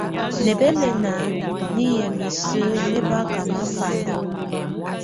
Nɛbɛlɛna nɛ̀ yamɛ̀́á isǝ́ nɛ̀ baka mafandɛ.